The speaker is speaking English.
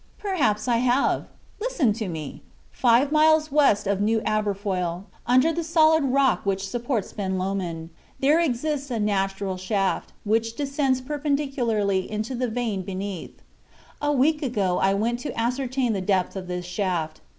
"Perhaps I have. Listen to me! Five miles west of New Aberfoyle, under the solid rock which supports Ben Lomond, there exists a natural shaft which descends perpendicularly into the vein beneath. A week ago I went to ascertain the depth of this shaft.